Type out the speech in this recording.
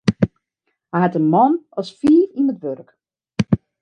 Hy hat in man as fiif yn it wurk.